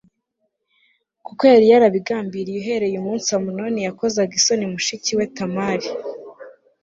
kuko yari yarabigambiriye e uhereye umunsi Amunoni yakozaga isoni f mushiki we Tamari